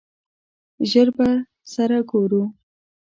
ژر به سره ګورو !